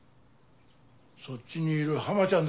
そっちにいるハマちゃんだ。